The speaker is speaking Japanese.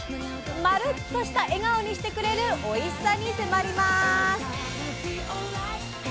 「まるっ」とした笑顔にしてくれるおいしさに迫ります！